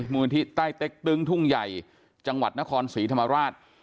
มูลที่ใต้เต็กตึงทุ่งใหญ่จังหวัดนครศรีธรรมราช